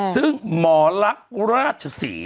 ซึ่งหมอรักราชศรี